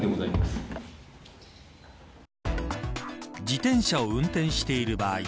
自転車を運転している場合